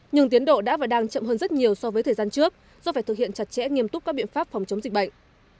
nhưng tiến độ đã và đang chậm hơn rất nhiều so với thời gian trước do phải thực hiện chặt chẽ nghiêm túc các biện pháp phòng chống dịch bệnh